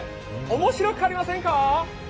おもしろくありませんか？